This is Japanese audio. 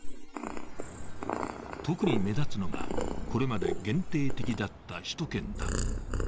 特に目立つのが、これまで限定的だった首都圏だ。